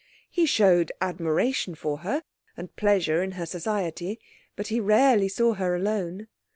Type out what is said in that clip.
He showed admiration for her, and pleasure in her society, but he rarely saw her alone.